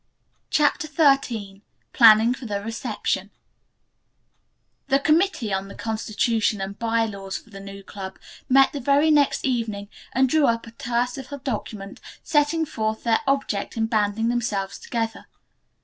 CHAPTER XIII PLANNING FOR THE RECEPTION The committee on the constitution and by laws for the new club met the very next evening and drew up a terse little document setting forth their object in banding themselves together.